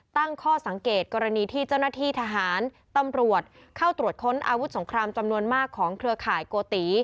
ตั้งข้อสังเกตกรณีที่เจ้าหน้าที่ทหารตำรวจเข้าตรวจค้นอาวุธสงครามจำนวนมากของเครือข่ายโกติ